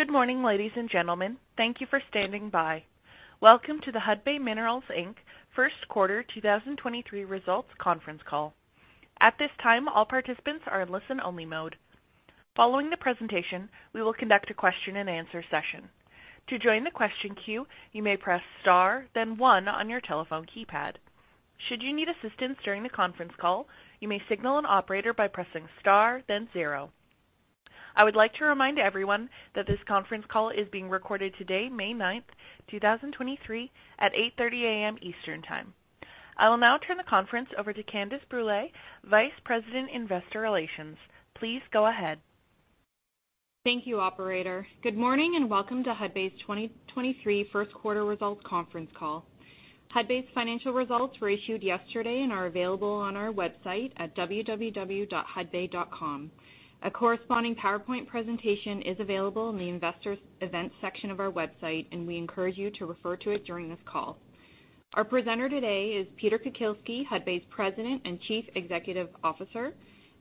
Good morning, ladies and gentlemen. Thank you for standing by. Welcome to the Hudbay Minerals Inc. First Quarter 2023 Results Conference Call. At this time, all participants are in listen-only mode. Following the presentation, we will conduct a question-and-answer session. To join the question queue, you may press star then one on your telephone keypad. Should you need assistance during the conference call, you may signal an operator by pressing star then zero. I would like to remind everyone that this conference call is being recorded today, May 9th, 2023, at 8:30 A.M. Eastern Time. I will now turn the conference over to Candice Brulé, Vice President, Investor Relations. Please go ahead. Thank you, operator. Good morning, welcome to Hudbay's 2023 first-quarter results conference call. Hudbay's financial results were issued yesterday and are available on our website at www.hudbay.com. A corresponding PowerPoint presentation is available in the Investors Events section of our website, and we encourage you to refer to it during this call. Our presenter today is Peter Kukielski, Hudbay's President and Chief Executive Officer.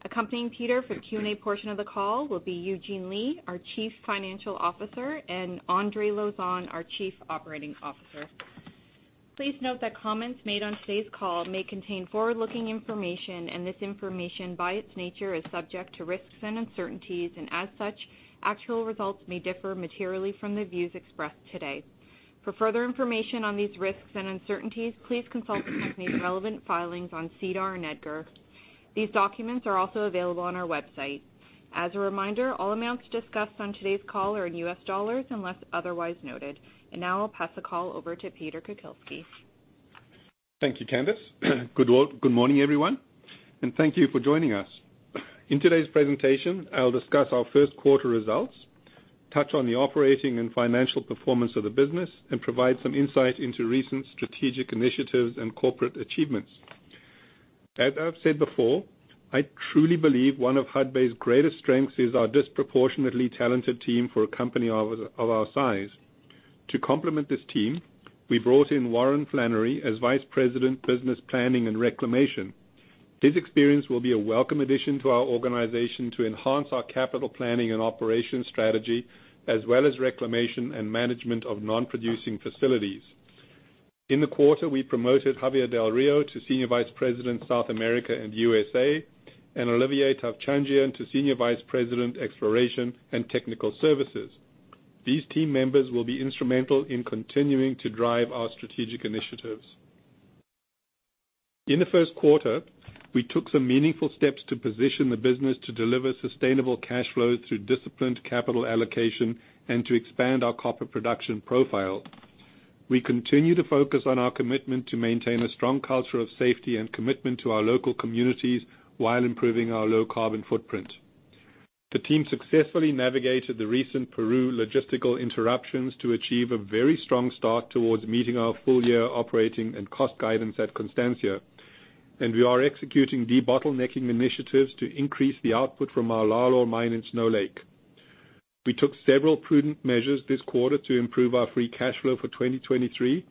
Accompanying Peter for the Q&A portion of the call will be Eugene Lei, our Chief Financial Officer, and Andre Lauzon, our Chief Operating Officer. Please note that comments made on today's call may contain forward-looking information, and this information, by its nature, is subject to risks and uncertainties, and as such, actual results may differ materially from the views expressed today. For further information on these risks and uncertainties, please consult the company's relevant filings on SEDAR and EDGAR. These documents are also available on our website. As a reminder, all amounts discussed on today's call are in U.S. dollars unless otherwise noted. Now I'll pass the call over to Peter Kukielski. Thank you, Candace. Good morning, everyone. Thank you for joining us. In today's presentation, I'll discuss our first quarter results, touch on the operating and financial performance of the business, and provide some insight into recent strategic initiatives and corporate achievements. As I've said before, I truly believe one of Hudbay's greatest strengths is our disproportionately talented team for a company of our size. To complement this team, we brought in Warren Flannery as Vice President, Business Planning and Reclamation. His experience will be a welcome addition to our organization to enhance our capital planning and operations strategy, as well as reclamation and management of non-producing facilities. In the quarter, we promoted Javier Del Rio to Senior Vice President, South America and U.S.A, and Olivier Tavchandjian to Senior Vice President, Exploration and Technical Services. These team members will be instrumental in continuing to drive our strategic initiatives. In the first quarter, we took some meaningful steps to position the business to deliver sustainable cash flows through disciplined capital allocation and to expand our copper production profile. We continue to focus on our commitment to maintain a strong culture of safety and commitment to our local communities while improving our low carbon footprint. The team successfully navigated the recent Peru logistical interruptions to achieve a very strong start towards meeting our full-year operating and cost guidance at Constancia, and we are executing debottlenecking initiatives to increase the output from our Lalor mine in Snow Lake. We took several prudent measures this quarter to improve our free cash flow for 2023,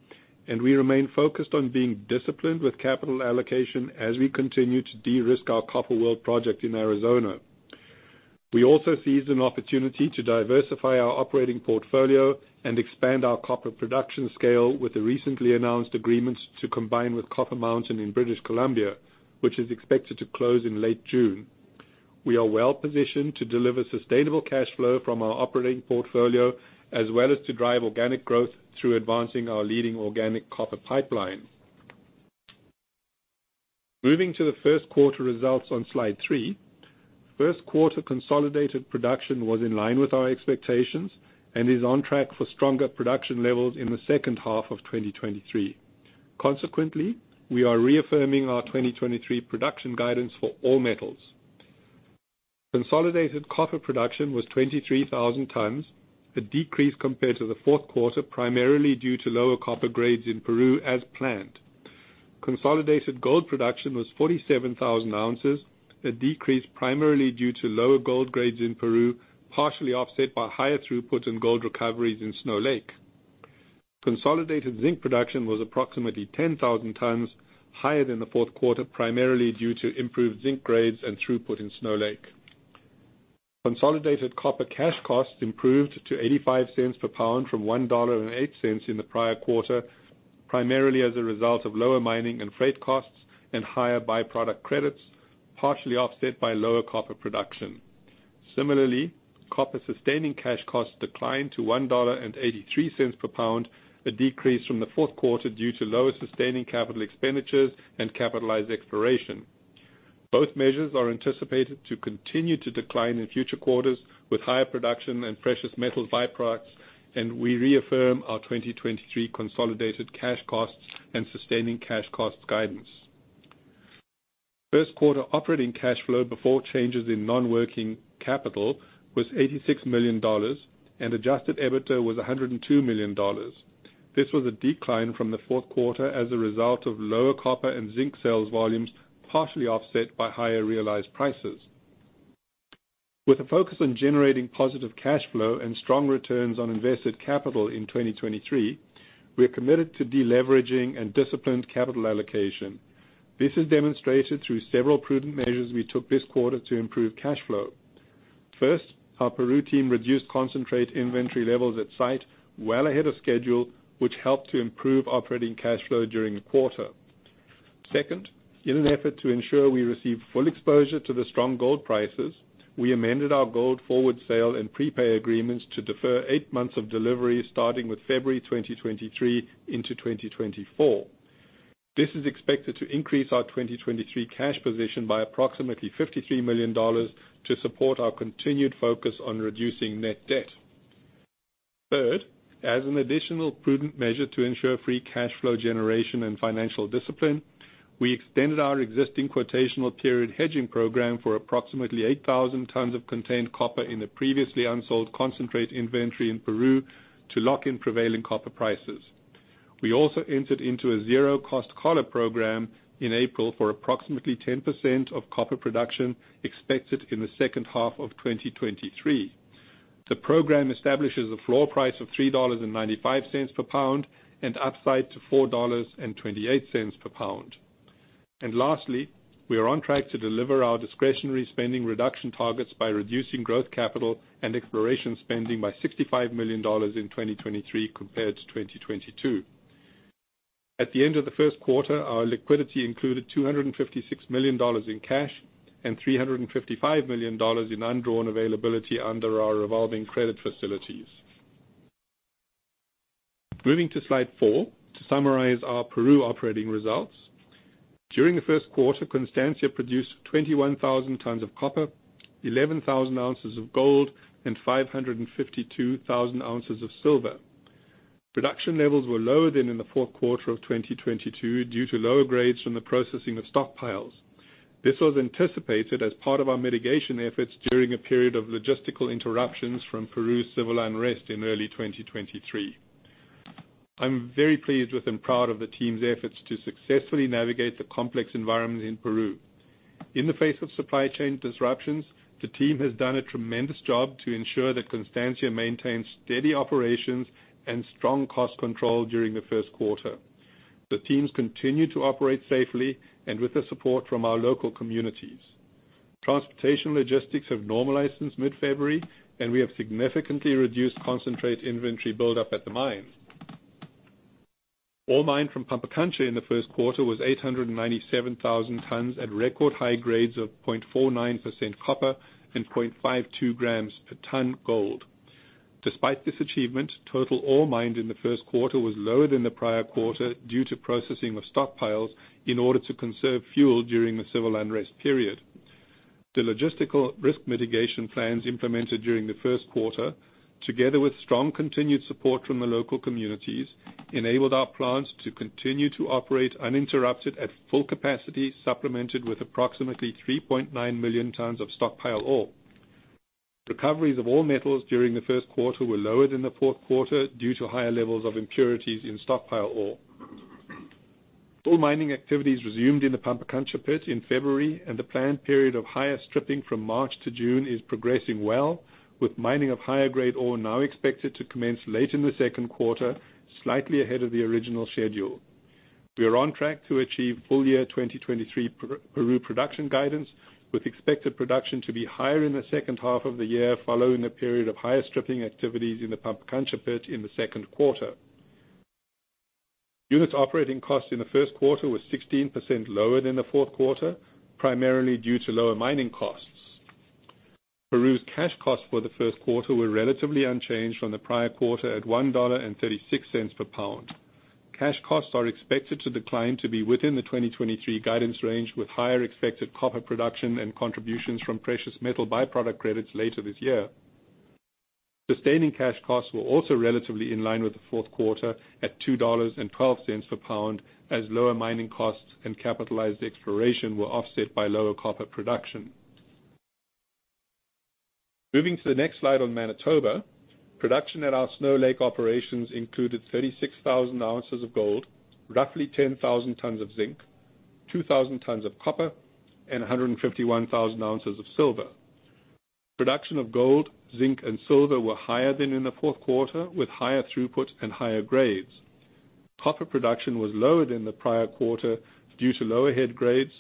and we remain focused on being disciplined with capital allocation as we continue to de-risk our Copper World project in Arizona. We also seized an opportunity to diversify our operating portfolio and expand our copper production scale with the recently announced agreements to combine with Copper Mountain in British Columbia, which is expected to close in late June. We are well-positioned to deliver sustainable cash flow from our operating portfolio, as well as to drive organic growth through advancing our leading organic copper pipeline. Moving to the first quarter results on slide three, first quarter consolidated production was in line with our expectations and is on track for stronger production levels in the second half of 2023. We are reaffirming our 2023 production guidance for all metals. Consolidated copper production was 23,000 tons, a decrease compared to the fourth quarter, primarily due to lower copper grades in Peru as planned. Consolidated gold production was 47,000 ounces, a decrease primarily due to lower gold grades in Peru, partially offset by higher throughput in gold recoveries in Snow Lake. Consolidated zinc production was approximately 10,000 tons, higher than the fourth quarter, primarily due to improved zinc grades and throughput in Snow Lake. Consolidated copper cash costs improved to $0.85 per pound from $1.08 in the prior quarter, primarily as a result of lower mining and freight costs and higher byproduct credits, partially offset by lower copper production. Similarly, copper sustaining cash costs declined to $1.83 per pound, a decrease from the fourth quarter due to lower sustaining capital expenditures and capitalized exploration. Both measures are anticipated to continue to decline in future quarters with higher production and precious metal byproducts. We reaffirm our 2023 consolidated cash costs and sustaining cash costs guidance. First quarter operating cash flow before changes in non-working capital was $86 million. Adjusted EBITDA was $102 million. This was a decline from the fourth quarter as a result of lower copper and zinc sales volumes, partially offset by higher realized prices. With a focus on generating positive cash flow and strong returns on invested capital in 2023, we are committed to deleveraging and disciplined capital allocation. This is demonstrated through several prudent measures we took this quarter to improve cash flow. First, our Peru team reduced concentrate inventory levels at site well ahead of schedule, which helped to improve operating cash flow during the quarter. Second, in an effort to ensure we receive full exposure to the strong gold prices, we amended our gold forward sale and prepay agreements to defer eight months of delivery, starting with February 2023 into 2024. This is expected to increase our 2023 cash position by approximately $53 million to support our continued focus on reducing net debt. Third, as an additional prudent measure to ensure free cash flow generation and financial discipline, we extended our existing quotational period hedging program for approximately 8,000 tons of contained copper in the previously unsold concentrate inventory in Peru to lock in prevailing copper prices. We also entered into a zero-cost collar program in April for approximately 10% of copper production expected in the second half of 2023. The program establishes a floor price of $3.95 per pound and upside to $4.28 per pound. Lastly, we are on track to deliver our discretionary spending reduction targets by reducing growth capital and exploration spending by $65 million in 2023 compared to 2022. At the end of the first quarter, our liquidity included $256 million in cash and $355 million in undrawn availability under our revolving credit facilities. Moving to slide four, to summarize our Peru operating results. During the first quarter, Constancia produced 21,000 tons of copper, 11,000 ounces of gold, and 552,000 ounces of silver. Production levels were lower than in the fourth quarter of 2022 due to lower grades from the processing of stockpiles. This was anticipated as part of our mitigation efforts during a period of logistical interruptions from Peru civil unrest in early 2023. I'm very pleased with and proud of the team's efforts to successfully navigate the complex environment in Peru. In the face of supply chain disruptions, the team has done a tremendous job to ensure that Constancia maintains steady operations and strong cost control during the first quarter. The teams continue to operate safely and with the support from our local communities. Transportation logistics have normalized since mid-February, and we have significantly reduced concentrate inventory buildup at the mine. Ore mined from Pampacancha in the first quarter was 897,000 tons at record high grades of 0.49% copper and 0.52 g per ton gold. Despite this achievement, total ore mined in the first quarter was lower than the prior quarter due to processing of stockpiles in order to conserve fuel during the civil unrest period. The logistical risk mitigation plans implemented during the first quarter, together with strong continued support from the local communities, enabled our plants to continue to operate uninterrupted at full capacity, supplemented with approximately 3.9 million tons of stockpile ore. Recoveries of all metals during the first quarter were lower than the fourth quarter due to higher levels of impurities in stockpile ore. Full mining activities resumed in the Pampacancha pit in February, and the planned period of higher stripping from March to June is progressing well, with mining of higher grade ore now expected to commence late in the second quarter, slightly ahead of the original schedule. We are on track to achieve full year 2023 Pro-Peru production guidance, with expected production to be higher in the second half of the year, following a period of higher stripping activities in the Pampacancha pit in the second quarter. Unit operating costs in the first quarter were 16% lower than the fourth quarter, primarily due to lower mining costs. Peru's cash costs for the first quarter were relatively unchanged from the prior quarter at $1.36 per pound. Cash costs are expected to decline to be within the 2023 guidance range, with higher expected copper production and contributions from precious metal by-product credits later this year. Sustaining cash costs were also relatively in line with the fourth quarter at $2.12 per pound, as lower mining costs and capitalized exploration were offset by lower copper production. Moving to the next slide on Manitoba. Production at our Snow Lake operations included 36,000 ounces of gold, roughly 10,000 tons of zinc, 2,000 tons of copper, and 151,000 ounces of silver. Production of gold, zinc, and silver were higher than in the fourth quarter, with higher throughput and higher grades. Copper production was lower than the prior quarter due to lower head grades.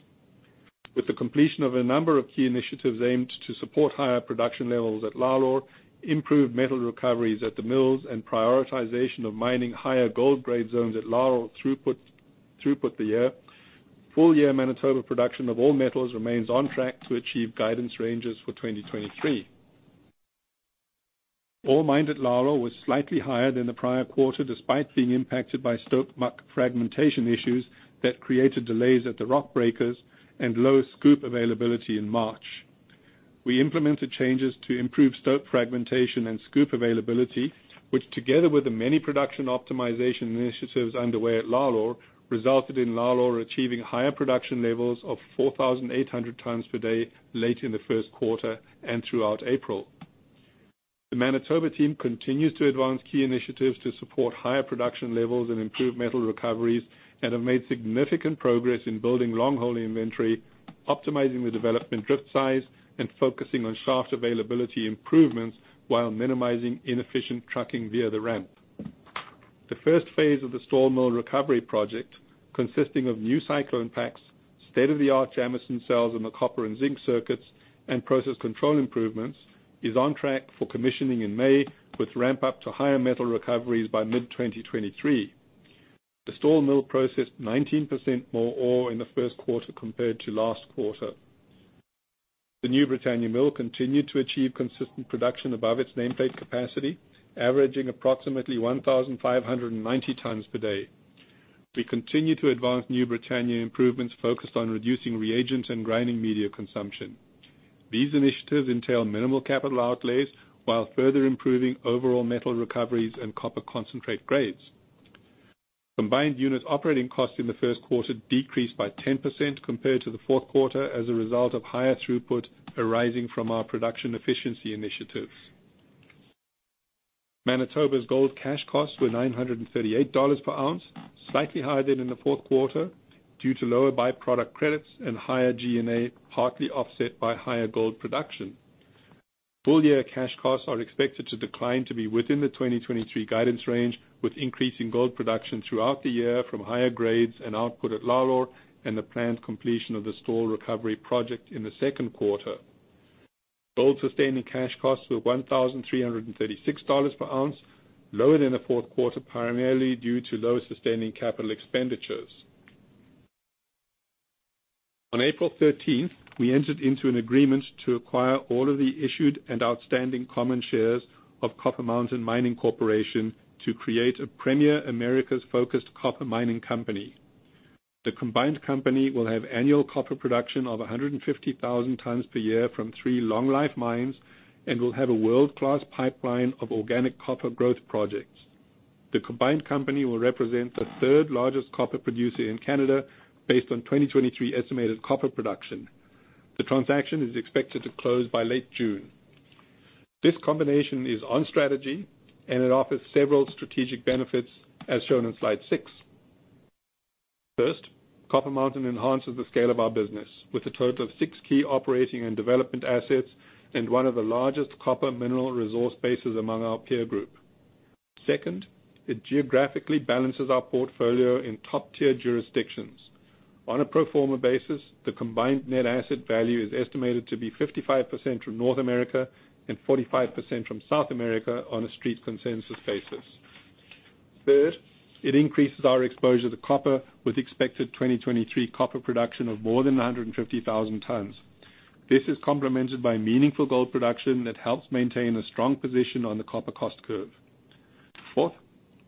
With the completion of a number of key initiatives aimed to support higher production levels at Lalor, improved metal recoveries at the mills, and prioritization of mining higher gold grade zones at Lalor throughput the year. Full year Manitoba production of all metals remains on track to achieve guidance ranges for 2023. Ore mined at Lalor was slightly higher than the prior quarter, despite being impacted by stope muck fragmentation issues that created delays at the rock breakers and low scoop availability in March. We implemented changes to improve stope fragmentation and scoop availability, which together with the many production optimization initiatives underway at Lalor, resulted in Lalor achieving higher production levels of 4,800 tons per day late in the first quarter and throughout April. The Manitoba team continues to advance key initiatives to support higher production levels and improved metal recoveries and have made significant progress in building long haul inventory, optimizing the development drift size, and focusing on shaft availability improvements while minimizing inefficient trucking via the ramp. The first phase of the Stall Mill Recovery Project, consisting of new cyclone packs, state-of-the-art Jameson Cell in the copper and zinc circuits, and process control improvements, is on track for commissioning in May, with ramp-up to higher metal recoveries by mid-2023. The Stall Mill processed 19% more ore in the first quarter compared to last quarter. The New Britannia Mill continued to achieve consistent production above its nameplate capacity, averaging approximately 1,590x per day. We continue to advance New Britannia improvements focused on reducing reagents and grinding media consumption. These initiatives entail minimal capital outlays while further improving overall metal recoveries and copper concentrate grades. Combined units operating costs in the first quarter decreased by 10% compared to the fourth quarter as a result of higher throughput arising from our production efficiency initiatives. Manitoba's gold cash costs were $938 per ounce, slightly higher than in the fourth quarter due to lower by-product credits and higher G&A, partly offset by higher gold production. Full-year cash costs are expected to decline to be within the 2023 guidance range, with increasing gold production throughout the year from higher grades and output at Lalor and the planned completion of the Stall Recovery project in the second quarter. Gold sustaining cash costs were $1,336 per ounce, lower than the fourth quarter, primarily due to lower sustaining capital expenditures. On April 13th, we entered into an agreement to acquire all of the issued and outstanding common shares of Copper Mountain Mining Corporation to create a premier Americas-focused copper mining company. The combined company will have annual copper production of 150,000x per year from three long life mines and will have a world-class pipeline of organic copper growth projects. The combined company will represent the third largest copper producer in Canada based on 2023 estimated copper production. The transaction is expected to close by late June. This combination is on strategy, it offers several strategic benefits as shown in slide six. First, Copper Mountain enhances the scale of our business with a total of six key operating and development assets and one of the largest copper mineral resource bases among our peer group. Second, it geographically balances our portfolio in top-tier jurisdictions. On a pro forma basis, the combined net asset value is estimated to be 55% from North America and 45% from South America on a street consensus basis. Third, it increases our exposure to copper with expected 2023 copper production of more than 150,000 tons. This is complemented by meaningful gold production that helps maintain a strong position on the copper cost curve. Fourth,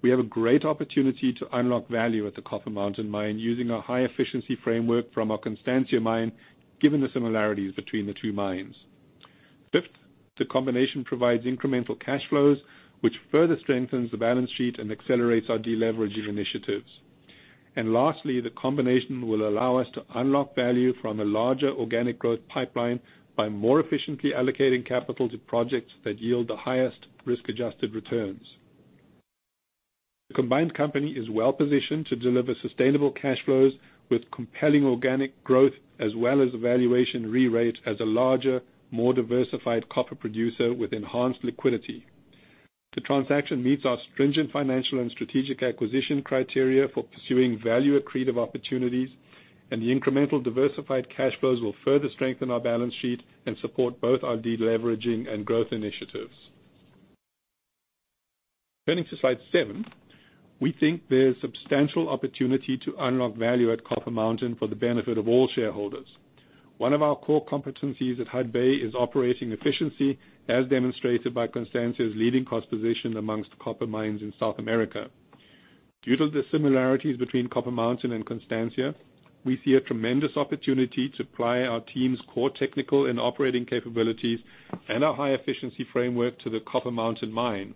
we have a great opportunity to unlock value at the Copper Mountain Mine using our high efficiency framework from our Constancia Mine, given the similarities between the two mines. Fifth, the combination provides incremental cash flows, which further strengthens the balance sheet and accelerates our deleveraging initiatives. Lastly, the combination will allow us to unlock value from a larger organic growth pipeline by more efficiently allocating capital to projects that yield the highest risk-adjusted returns. The combined company is well-positioned to deliver sustainable cash flows with compelling organic growth as well as valuation re-rate as a larger, more diversified copper producer with enhanced liquidity. The transaction meets our stringent financial and strategic acquisition criteria for pursuing value accretive opportunities, and the incremental diversified cash flows will further strengthen our balance sheet and support both our deleveraging and growth initiatives. Turning to slide seven. We think there's substantial opportunity to unlock value at Copper Mountain for the benefit of all shareholders. One of our core competencies at Hudbay is operating efficiency, as demonstrated by Constancia's leading cost position amongst copper mines in South America. Due to the similarities between Copper Mountain and Constancia, we see a tremendous opportunity to apply our team's core technical and operating capabilities and our high efficiency framework to the Copper Mountain Mine.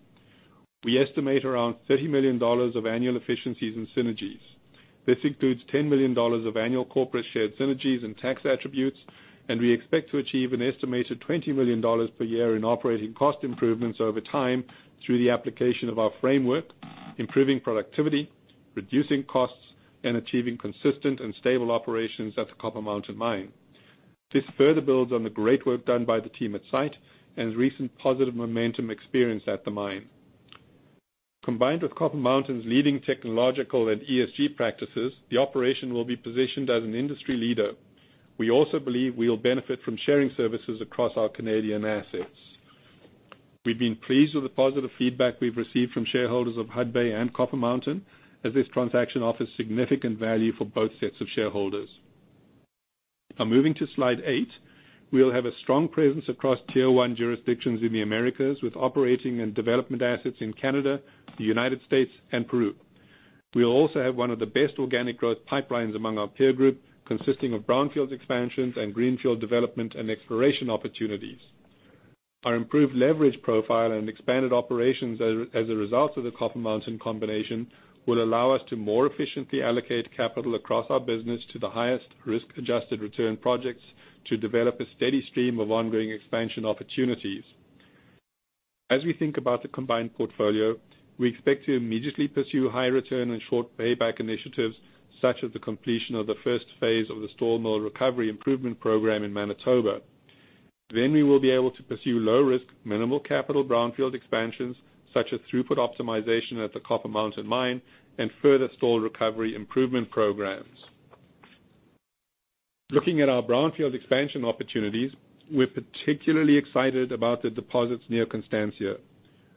We estimate around $30 million of annual efficiencies and synergies. This includes $10 million of annual corporate shared synergies and tax attributes. We expect to achieve an estimated $20 million per year in operating cost improvements over time through the application of our framework, improving productivity, reducing costs, and achieving consistent and stable operations at the Copper Mountain Mine. This further builds on the great work done by the team at site and recent positive momentum experience at the mine. Combined with Copper Mountain's leading technological and ESG practices, the operation will be positioned as an industry leader. We also believe we'll benefit from sharing services across our Canadian assets. We've been pleased with the positive feedback we've received from shareholders of Hudbay and Copper Mountain, as this transaction offers significant value for both sets of shareholders. Moving to slide eight. We'll have a strong presence across tier-one jurisdictions in the Americas with operating and development assets in Canada, the United States, and Peru. We'll also have one of the best organic growth pipelines among our peer group, consisting of brownfield expansions and greenfield development and exploration opportunities. Our improved leverage profile and expanded operations as a result of the Copper Mountain combination will allow us to more efficiently allocate capital across our business to the highest risk-adjusted return projects to develop a steady stream of ongoing expansion opportunities. As we think about the combined portfolio, we expect to immediately pursue high return and short payback initiatives, such as the completion of the first phase of the Stall Mill Recovery Improvement Program in Manitoba. We will be able to pursue low risk, minimal capital brownfield expansions such as throughput optimization at the Copper Mountain mine and further store recovery improvement programs. Looking at our brownfield expansion opportunities, we're particularly excited about the deposits near Constancia.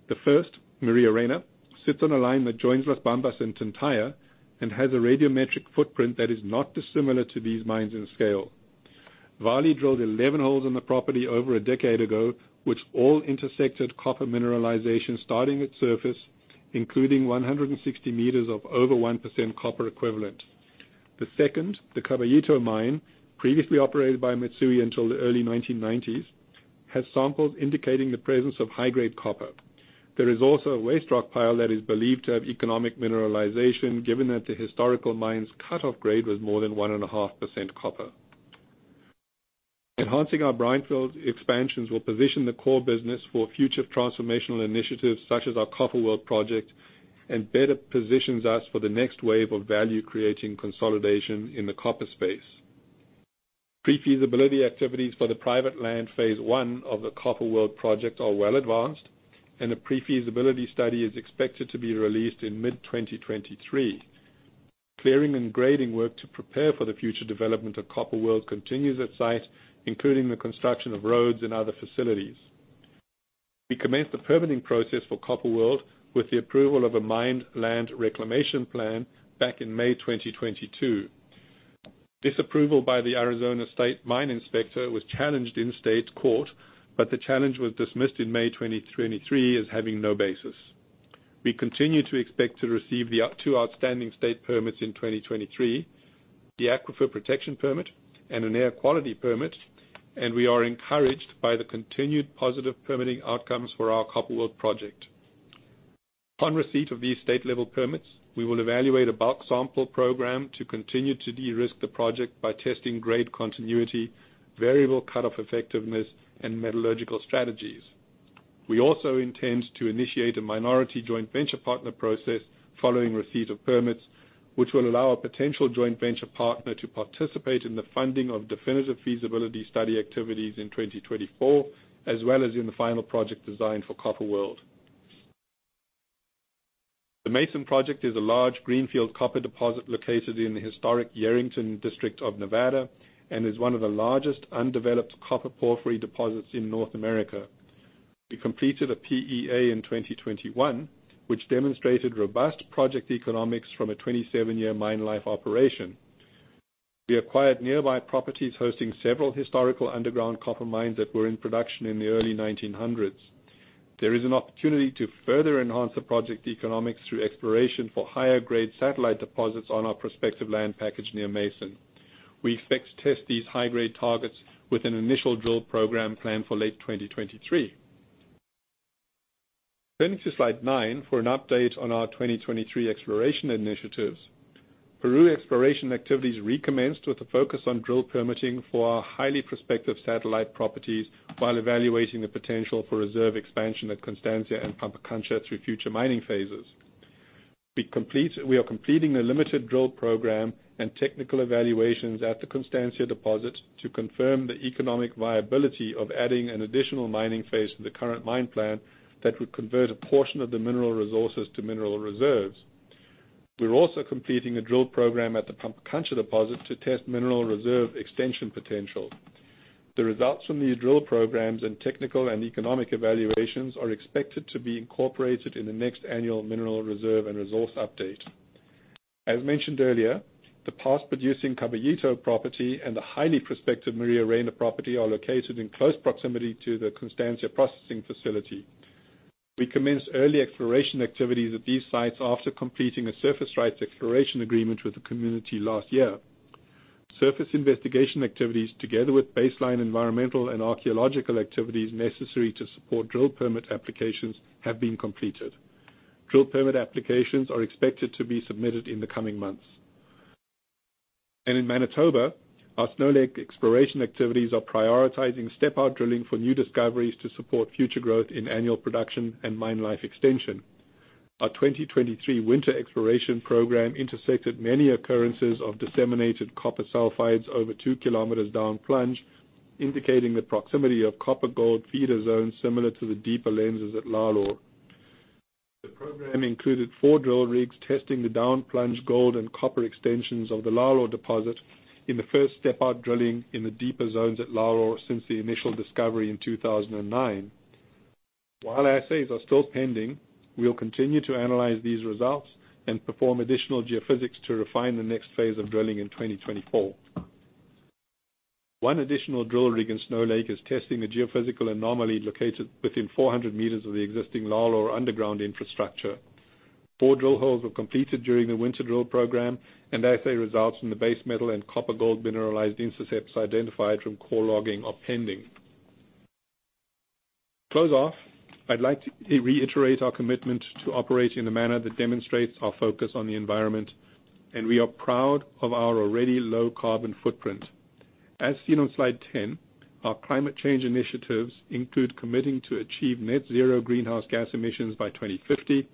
The first, Maria Reina, sits on a line that joins Las Bambas and Tintaya, and has a radiometric footprint that is not dissimilar to these mines in scale. Vale drilled 11 holes on the property over a decade ago, which all intersected copper mineralization starting at surface, including 160 meters of over 1% copper equivalent. The second, the Caballito mine, previously operated by Mitsui until the early 1990s, has samples indicating the presence of high-grade copper. There is also a waste rock pile that is believed to have economic mineralization, given that the historical mine's cut-off grade was more than one and a half % copper. Enhancing our brownfield expansions will position the core business for future transformational initiatives such as our Copper World project and better positions us for the next wave of value-creating consolidation in the copper space. Pre-feasibility activities for the private land phase one of the Copper World project are well advanced, and a pre-feasibility study is expected to be released in mid-2023. Clearing and grading work to prepare for the future development of Copper World continues at site, including the construction of roads and other facilities. We commenced the permitting process for Copper World with the approval of a Mined Land Reclamation Plan back in May 2022. This approval by the Arizona State Mine Inspector was challenged in state court. The challenge was dismissed in May 2023 as having no basis. We continue to expect to receive the two outstanding state permits in 2023, the Aquifer Protection Permit and an Air Quality Permit. We are encouraged by the continued positive permitting outcomes for our Copper World project. Upon receipt of these state-level permits, we will evaluate a bulk sample program to continue to de-risk the project by testing grade continuity, variable cut-off effectiveness, and metallurgical strategies. We also intend to initiate a minority joint venture partner process following receipt of permits, which will allow a potential joint venture partner to participate in the funding of definitive feasibility study activities in 2024, as well as in the final project design for Copper World. The Mason project is a large greenfield copper deposit located in the historic Yerington district of Nevada and is one of the largest undeveloped copper porphyry deposits in North America. We completed a PEA in 2021, which demonstrated robust project economics from a 27-year mine life operation. We acquired nearby properties hosting several historical underground copper mines that were in production in the early 1900s. There is an opportunity to further enhance the project economics through exploration for higher-grade satellite deposits on our prospective land package near Mason. We expect to test these high-grade targets with an initial drill program planned for late 2023. To slide nine for an update on our 2023 exploration initiatives. Peru exploration activities recommenced with a focus on drill permitting for our highly prospective satellite properties while evaluating the potential for reserve expansion at Constancia and Pampacancha through future mining phases. We are completing a limited drill program and technical evaluations at the Constancia deposit to confirm the economic viability of adding an additional mining phase to the current mine plan that would convert a portion of the mineral resources to mineral reserves. We're also completing a drill program at the Pampacancha deposit to test mineral reserve extension potential. The results from these drill programs and technical and economic evaluations are expected to be incorporated in the next annual mineral reserve and resource update. As mentioned earlier, the past-producing Caballito property and the highly prospective Maria Reina property are located in close proximity to the Constancia processing facility. We commenced early exploration activities at these sites after completing a surface rights exploration agreement with the community last year. Surface investigation activities, together with baseline environmental and archaeological activities necessary to support drill permit applications, have been completed. Drill permit applications are expected to be submitted in the coming months. In Manitoba, our Snow Lake exploration activities are prioritizing step-out drilling for new discoveries to support future growth in annual production and mine life extension. Our 2023 winter exploration program intersected many occurrences of disseminated copper sulfides over 2 km down plunge, indicating the proximity of copper-gold feeder zones similar to the deeper lenses at Lalor. The program included four drill rigs testing the down plunge gold and copper extensions of the Lalor deposit in the first step out drilling in the deeper zones at Lalor since the initial discovery in 2009. While assays are still pending, we will continue to analyze these results and perform additional geophysics to refine the next phase of drilling in 2024. One additional drill rig in Snow Lake is testing a geophysical anomaly located within 400 meters of the existing Lalor underground infrastructure. Four drill holes were completed during the winter drill program, and assay results from the base metal and copper gold mineralized intercepts identified from core logging are pending. To close off, I'd like to reiterate our commitment to operate in a manner that demonstrates our focus on the environment, and we are proud of our already low carbon footprint. As seen on slide 10, our climate change initiatives include committing to achieve net zero greenhouse gas emissions by 2050,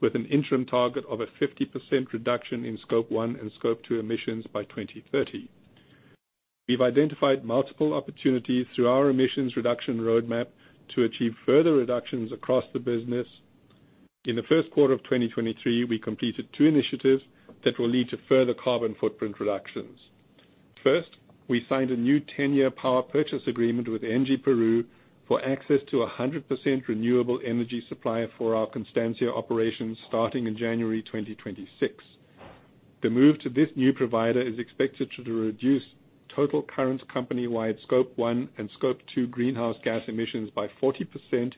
with an interim target of a 50% reduction in Scope 1 and Scope 2 emissions by 2030. We've identified multiple opportunities through our emissions reduction roadmap to achieve further reductions across the business. In the first quarter of 2023, we completed two initiatives that will lead to further carbon footprint reductions. First, we signed a new 10-year power purchase agreement with ENGIE Energía Perú for access to a 100% renewable energy supply for our Constancia operations starting in January 2026. The move to this new provider is expected to reduce total current company-wide Scope 1 and Scope 2 greenhouse gas emissions by 40%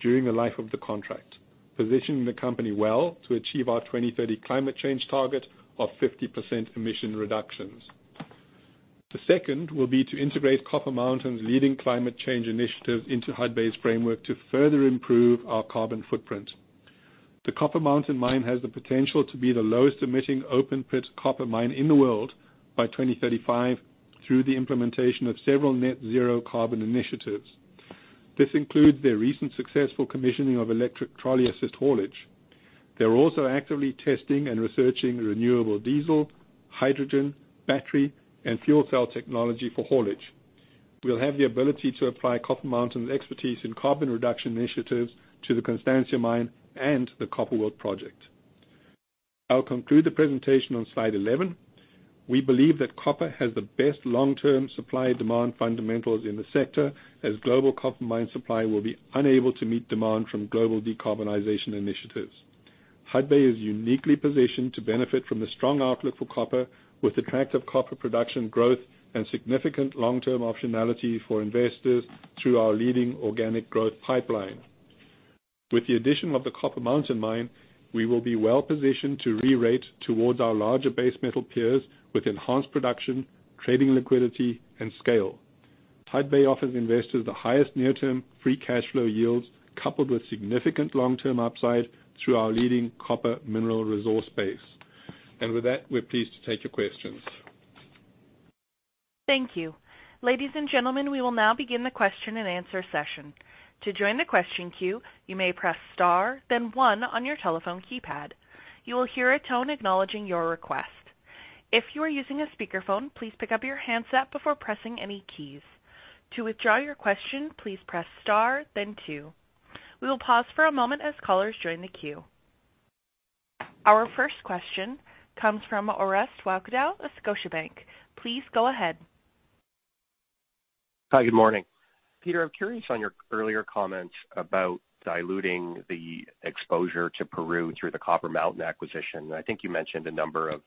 during the life of the contract, positioning the company well to achieve our 2030 climate change target of 50% emission reductions. The second will be to integrate Copper Mountain's leading climate change initiatives into Hudbay's framework to further improve our carbon footprint. The Copper Mountain mine has the potential to be the lowest emitting open pit copper mine in the world by 2035 through the implementation of several net zero carbon initiatives. This includes their recent successful commissioning of electric trolley assist haulage. They're also actively testing and researching renewable diesel, hydrogen, battery, and fuel cell technology for haulage. We'll have the ability to apply Copper Mountain expertise in carbon reduction initiatives to the Constancia mine and the Copper World project. I'll conclude the presentation on slide 11. We believe that copper has the best long-term supply demand fundamentals in the sector, as global copper mine supply will be unable to meet demand from global decarbonization initiatives. Hudbay is uniquely positioned to benefit from the strong outlook for copper, with attractive copper production growth and significant long-term optionality for investors through our leading organic growth pipeline. With the addition of the Copper Mountain mine, we will be well-positioned to re-rate towards our larger base metal peers with enhanced production, trading liquidity, and scale. Hudbay offers investors the highest near-term free cash flow yields, coupled with significant long-term upside through our leading copper mineral resource base. With that, we're pleased to take your questions. Thank you. Ladies and gentlemen, we will now begin the question-and-answer session. To join the question queue, you may press star then one on your telephone keypad. You will hear a tone acknowledging your request. If you are using a speakerphone, please pick up your handset before pressing any keys. To withdraw your question, please press star then two. We will pause for a moment as callers join the queue. Our first question comes from Orest Wowkodaw of Scotiabank. Please go ahead. Hi, good morning. Peter, I'm curious on your earlier comments about diluting the exposure to Peru through the Copper Mountain acquisition. I think you mentioned a number of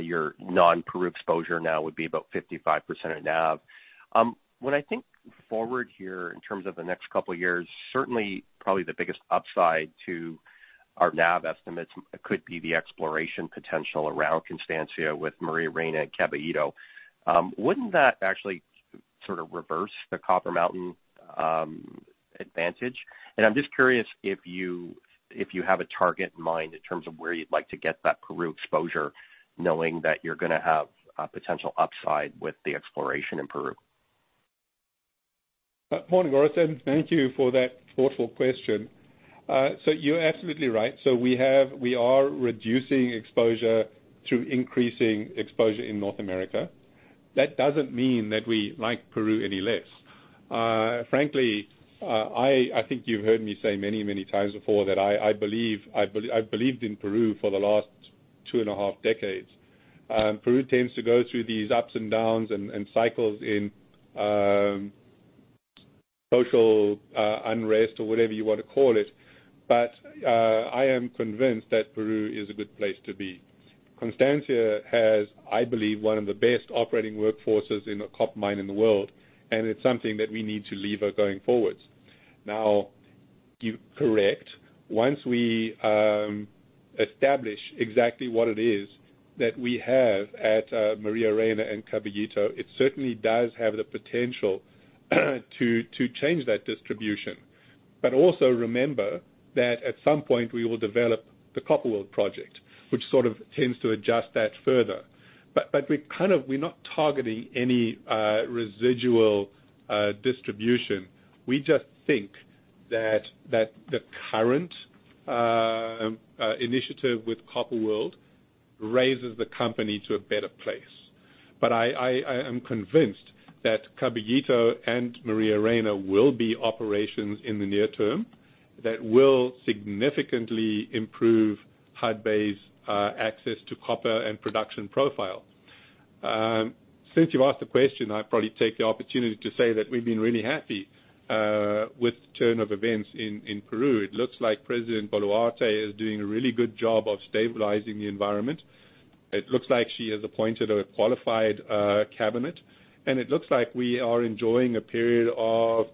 your non-Peru exposure now would be about 55% of NAV. When I think forward here in terms of the next couple of years, certainly, probably the biggest upside to our NAV estimates could be the exploration potential around Constancia with Maria Reina and Caballito. Wouldn't that actually sort of reverse the Copper Mountain advantage? I'm just curious if you, if you have a target in mind in terms of where you'd like to get that Peru exposure, knowing that you're gonna have a potential upside with the exploration in Peru. Morning, Orest. Thank you for that thoughtful question. You're absolutely right. We are reducing exposure through increasing exposure in North America. That doesn't mean that we like Peru any less. Frankly, I think you've heard me say many times before that I believed in Peru for the last 2.5 decades. Peru tends to go through these ups and downs and cycles in social unrest or whatever you wanna call it. I am convinced that Peru is a good place to be. Constancia has, I believe, one of the best operating workforces in a copper mine in the world, and it's something that we need to lever going forward. You're correct. Once we establish exactly what it is that we have at Maria Reina and Caballito, it certainly does have the potential to change that distribution. Also remember that at some point, we will develop the Copper World project, which sort of tends to adjust that further. We're not targeting any residual distribution. We just think that the current initiative with Copper World raises the company to a better place. I am convinced that Caballito and Maria Reina will be operations in the near term that will significantly improve Hudbay's access to copper and production profile. Since you asked the question, I'd probably take the opportunity to say that we've been really happy with the turn of events in Peru. It looks like President Boluarte is doing a really good job of stabilizing the environment. It looks like she has appointed a qualified cabinet. It looks like we are enjoying a period of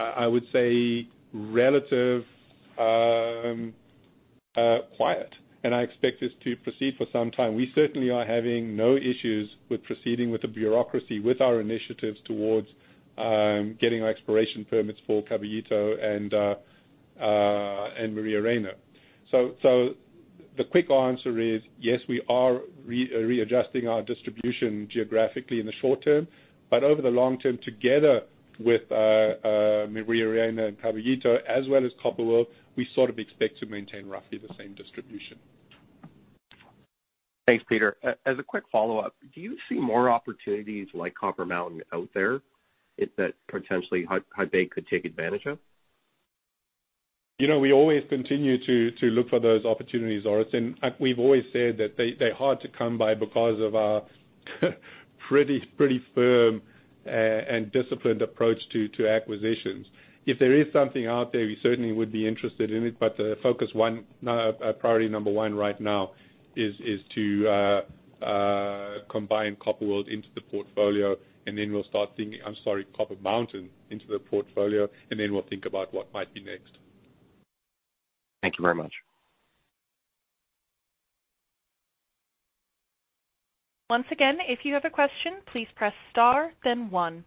I would say relative quiet. I expect this to proceed for some time. We certainly are having no issues with proceeding with the bureaucracy, with our initiatives towards getting our exploration permits for Caballito and Maria Reina. The quick answer is, yes, we are readjusting our distribution geographically in the short term, but over the long term, together with Maria Reina and Caballito, as well as Copper World, we sort of expect to maintain roughly the same distribution. Thanks, Peter. As a quick follow-up, do you see more opportunities like Copper Mountain out there, if that potentially Hudbay could take advantage of? You know, we always continue to look for those opportunities, Orest. Like, we've always said that they're hard to come by because of our pretty firm and disciplined approach to acquisitions. If there is something out there, we certainly would be interested in it, but priority number one right now is to combine Copper World into the portfolio, and then we'll start thinking Copper Mountain into the portfolio, and then we'll think about what might be next. Thank you very much. Once again, if you have a question, please press star then one.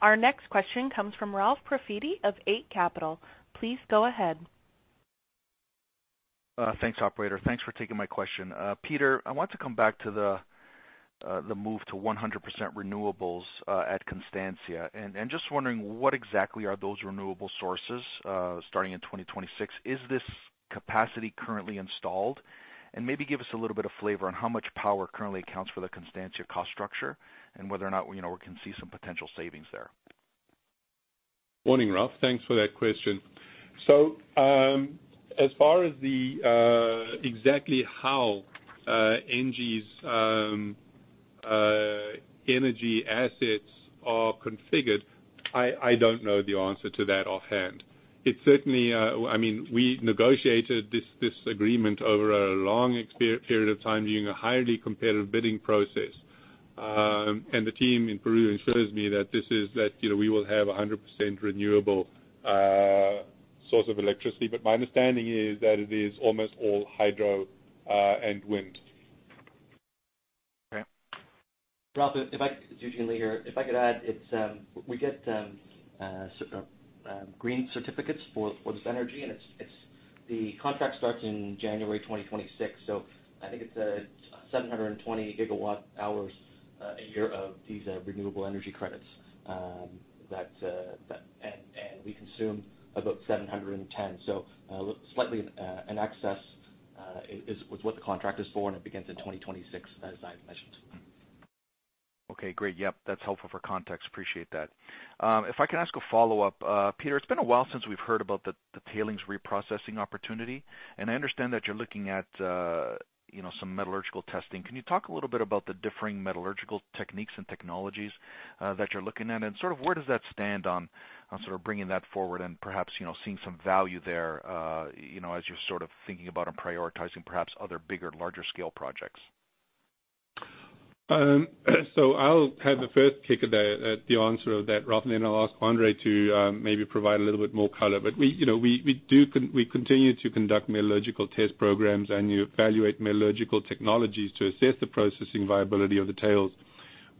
Our next question comes from Ralph Profiti of Eight Capital. Please go ahead. Thanks, operator. Thanks for taking my question. Peter, I want to come back to the 100% renewables at Constancia. Just wondering what exactly are those renewable sources starting in 2026? Is this capacity currently installed? Maybe give us a little bit of flavor on how much power currently accounts for the Constancia cost structure, and whether or not, you know, we can see some potential savings there. Morning, Ralph. Thanks for that question. As far as the exactly how ENGIE's energy assets are configured, I don't know the answer to that offhand. It certainly. I mean, we negotiated this agreement over a long period of time using a highly competitive bidding process. The team in Peru assures me that this is, you know, we will have a 100% renewable source of electricity, but my understanding is that it is almost all hydro and wind. Okay. Ralph, it's Eugene Lei here. If I could add, it's, we get green certificates for this energy, and the contract starts in January 2026. I think it's 720 gigawatt hours a year of these Renewable Energy Certificates that we consume about 710. slightly an excess is what the contract is for, and it begins in 2026, as I mentioned. Okay, great. Yep, that's helpful for context. Appreciate that. If I can ask a follow-up. Peter, it's been a while since we've heard about the tailings reprocessing opportunity, and I understand that you're looking at, you know, some metallurgical testing. Can you talk a little bit about the differing metallurgical techniques and technologies that you're looking at? Sort of where does that stand on sort of bringing that forward and perhaps, you know, seeing some value there, you know, as you're sort of thinking about and prioritizing perhaps other bigger, larger scale projects? I'll have the first kick of the, at the answer of that, Ralph, and then I'll ask Andre to maybe provide a little bit more color. We, you know, we continue to conduct metallurgical test programs and evaluate metallurgical technologies to assess the processing viability of the tails,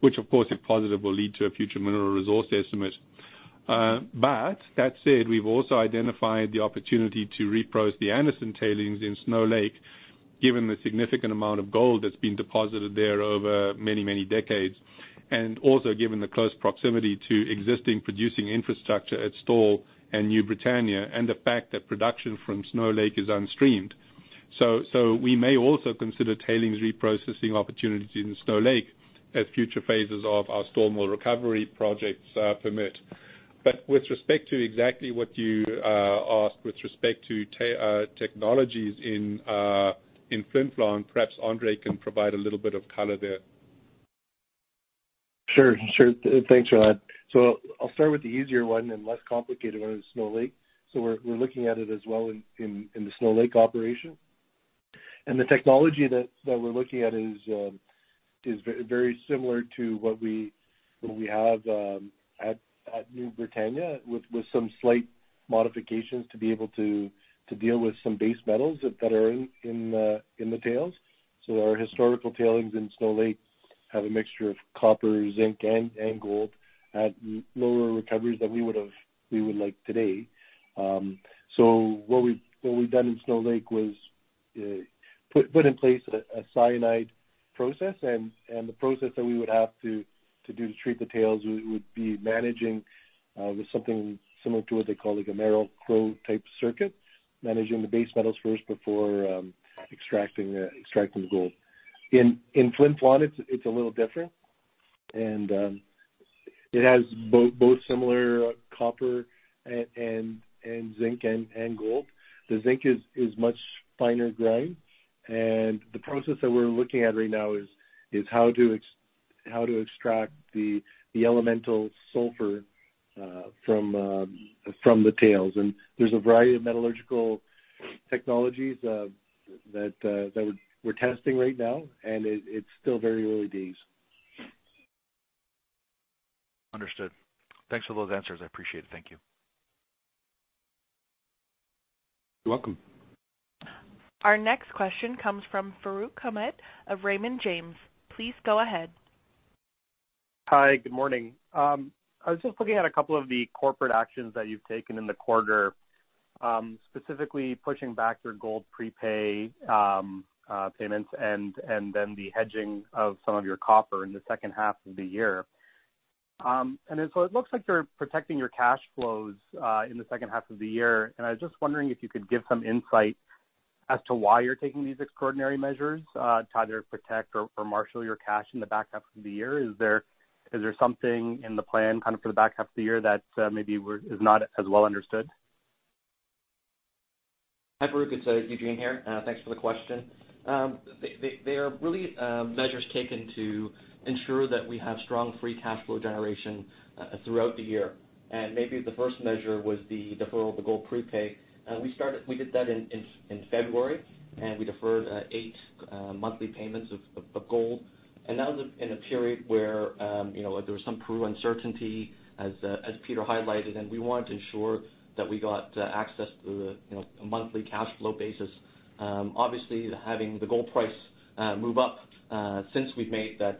which of course, if positive, will lead to a future mineral resource estimate. That said, we've also identified the opportunity to reprocess the Anderson tailings in Snow Lake, given the significant amount of gold that's been deposited there over many, many decades, and also given the close proximity to existing producing infrastructure at Stall and New Britannia, and the fact that production from Snow Lake is unstreamed. We may also consider tailings reprocessing opportunities in Snow Lake as future phases of our Stall mill recovery projects permit. With respect to exactly what you asked with respect to technologies in Flin Flon, perhaps Andre can provide a little bit of color there. Sure. Thanks for that. I'll start with the easier one and less complicated one in Snow Lake. We're looking at it as well in the Snow Lake operation. The technology that we're looking at is very similar to what we have at New Britannia, with some slight modifications to deal with some base metals that are in the tails. Our historical tailings in Snow Lake have a mixture of copper, zinc, and gold at lower recoveries than we would like today. What we've done in Snow Lake was put in place a cyanide process and the process that we would have to do to treat the tails would be managing with something similar to what they call, like, a Merrill-Crowe type circuit, managing the base metals first before extracting the gold. In Flin Flon, it's a little different, it has both similar copper and zinc and gold. The zinc is much finer grain, the process that we're looking at right now is how to extract the elemental sulfur from the tails. There's a variety of metallurgical technologies that we're testing right now, it's still very early days. Understood. Thanks for those answers. I appreciate it. Thank you. You're welcome. Our next question comes from Farooq Hamed of Raymond James. Please go ahead. Hi, good morning. I was just looking at a couple of the corporate actions that you've taken in the quarter, specifically pushing back your gold prepay payments and then the hedging of some of your copper in the second half of the year. It looks like you're protecting your cash flows in the second half of the year, and I was just wondering if you could give some insight as to why you're taking these extraordinary measures to either protect or marshal your cash in the back half of the year. Is there something in the plan kind of for the back half of the year that maybe is not as well understood? Hi, Farooq. It's Eugene here. Thanks for the question. They are really measures taken to ensure that we have strong free cash flow generation throughout the year. Maybe the first measure was the deferral of the gold prepay. We did that in February, and we deferred eight monthly payments of gold. That was in a period where, you know, there was some Peru uncertainty, as Peter highlighted, and we wanted to ensure that we got access to the, you know, a monthly cash flow basis. Obviously having the gold price move up since we've made that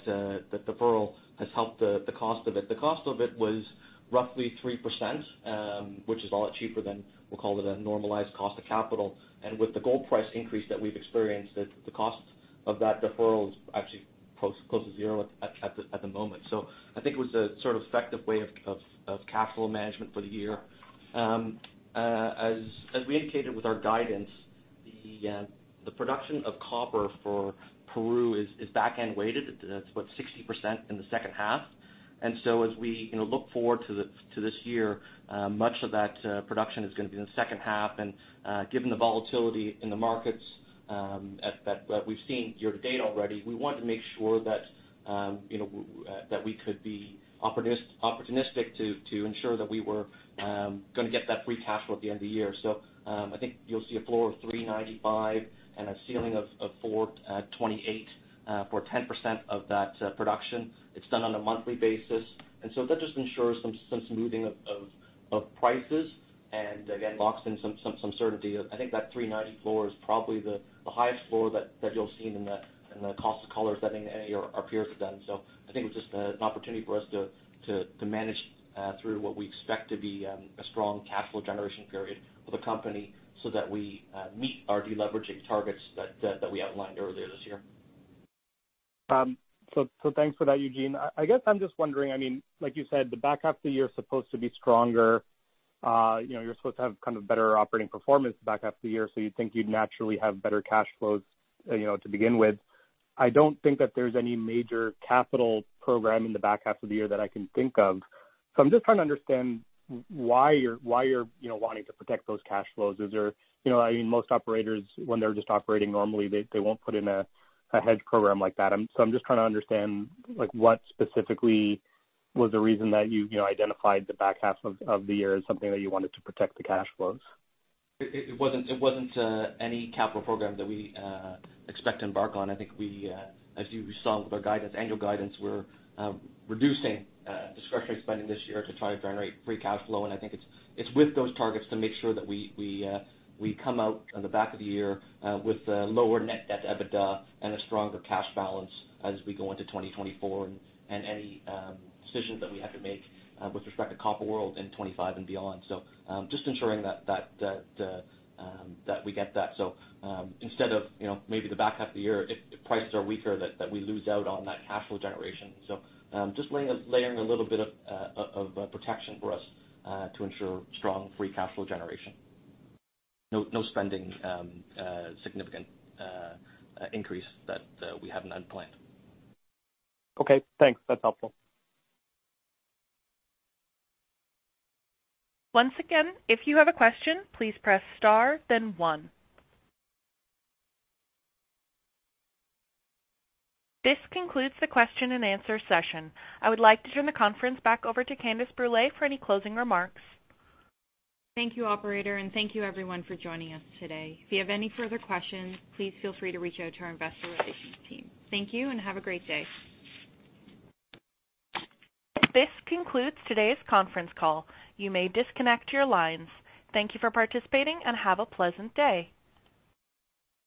deferral has helped the cost of it. The cost of it was roughly 3%, which is a lot cheaper than we'll call it a normalized cost of capital. With the gold price increase that we've experienced, the cost of that deferral is actually close to zero at the moment. I think it was a sort of effective way of cash flow management for the year. As we indicated with our guidance, the production of copper for Peru is back-end weighted. It's what? 60% in the second half. As we, you know, look forward to this year, much of that production is gonna be in the second half. Given the volatility in the markets we've seen year to date already, we want to make sure that, you know, that we could be opportunistic to ensure that we were gonna get that free cash flow at the end of the year. I think you'll see a floor of $3.95 and a ceiling of $4.28 for 10% of that production. It's done on a monthly basis. That just ensures some smoothing of prices and again, locks in some certainty of. I think that $3.90 floor is probably the highest floor that you'll see in the cost of collars that any of our peers have done. I think it was just an opportunity for us to manage through what we expect to be a strong cash flow generation period for the company so that we meet our de-leveraging targets that we outlined earlier this year. Thanks for that, Eugene. I guess I'm just wondering, I mean, like you said, the back half of the year is supposed to be stronger. you know, you're supposed to have kind of better operating performance the back half of the year, so you'd think you'd naturally have better cash flows, you know, to begin with. I don't think that there's any major capital program in the back half of the year that I can think of. I'm just trying to understand why you're, you know, wanting to protect those cash flows. Is there? You know, I mean, most operators, when they're just operating normally, they won't put in a hedge program like that. I'm just trying to understand, like, what specifically was the reason that you know, identified the back half of the year as something that you wanted to protect the cash flows? It wasn't, it wasn't any capital program that we expect to embark on. I think we, as you saw with our guidance, annual guidance, we're reducing discretionary spending this year to try to generate free cash flow, and I think it's with those targets to make sure that we come out on the back of the year with a lower net debt EBITDA and a stronger cash balance as we go into 2024 and any decisions that we have to make with respect to Copper World in 25 and beyond. Just ensuring that we get that. Instead of, you know, maybe the back half of the year if prices are weaker that we lose out on that cash flow generation. Just laying, layering a little bit of protection for us to ensure strong free cash flow generation. No spending significant increase that we have not planned. Okay, thanks. That's helpful. Once again, if you have a question, please press star then one. This concludes the question and answer session. I would like to turn the conference back over to Candace Brule for any closing remarks. Thank you, operator. Thank you everyone for joining us today. If you have any further questions, please feel free to reach out to our investor relations team. Thank you. Have a great day. This concludes today's conference call. You may disconnect your lines. Thank you for participating, and have a pleasant day.